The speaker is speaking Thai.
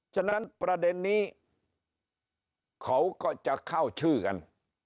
ฉะนั้นประเด็นนี้เขาก็จะเข้าชื่อกัน